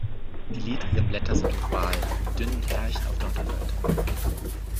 Die ledrigen Blätter sind oval mit dünnen Härchen auf der Unterseite.